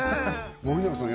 森永さん